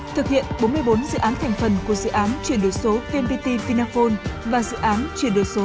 thực hiện bốn mươi bốn dự án thành phần của dự án triển đổi số vmpt vinaphone và dự án triển đổi số địa bàn